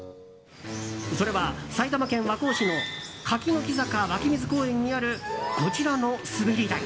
それは、埼玉県和光市の柿ノ木坂湧水公園にあるこちらの滑り台。